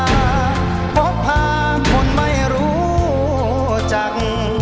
ช่วยฝังดินหรือกว่า